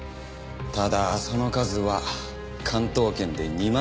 ただその数は関東圏で２万人以上。